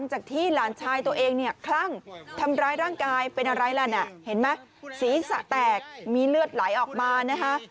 เห็นไหมสีสะแตกมีเลือดไหลออกมานะ